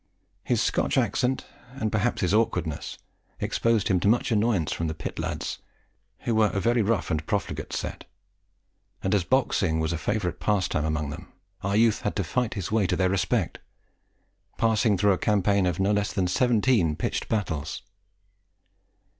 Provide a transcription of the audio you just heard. His Scotch accent, and perhaps his awkwardness, exposed him to much annoyance from the "pit lads," who were a very rough and profligate set; and as boxing was a favourite pastime among them, our youth had to fight his way to their respect, passing through a campaign of no less than seventeen pitched battles.